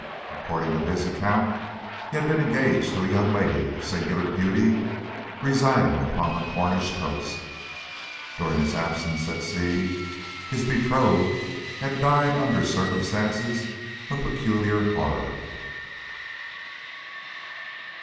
According to his account, he had been engaged to a young lady of singular beauty residing upon the Cornish coast. During his absence at sea his betrothed had died under circumstances of peculiar horror.